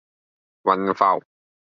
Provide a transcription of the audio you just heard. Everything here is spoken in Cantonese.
雲浮